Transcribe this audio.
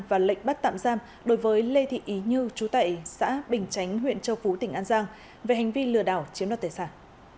và lệnh bắt tạm giam đối với lê thị ý như chú tại xã bình chánh huyện châu phú tỉnh an giang về hành vi lừa đảo chiếm đoạt tài sản